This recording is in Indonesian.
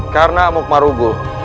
karena amuk merugul